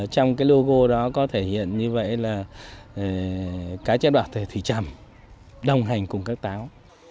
trong cái logo đó có thể hiện như vậy là cá chép đỏ thủy trầm đồng hành cùng các táo